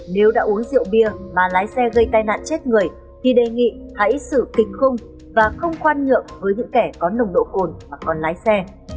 nếu đã uống rượu bia mà lái xe gây tai nạn chết người thì đề nghị hãy xử kịch khung và không khoan nhượng với những kẻ có nồng độ cồn mà còn lái xe